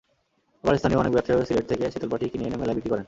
আবার স্থানীয় অনেক ব্যবসায়ীও সিলেট থেকে শীতলপাটি কিনে এনে মেলায় বিক্রি করেন।